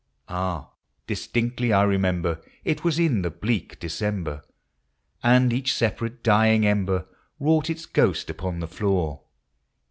Ah, distinctly I remember, it was in the bleak December, And each separate dying ember wrought its ghost upon the floor.